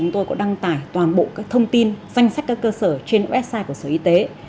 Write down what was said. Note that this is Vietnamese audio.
chúng tôi có đăng tải toàn bộ các thông tin danh sách các cơ sở trên website của sở y tế